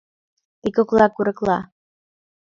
Ты кокла Курыкла